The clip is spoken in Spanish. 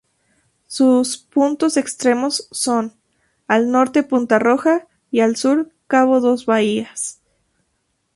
Sus punto extremos son, al norte Punta Roja y al sur cabo Dos Bahías.